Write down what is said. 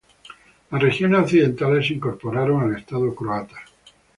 Las regiones occidentales se incorporaron al estado croata.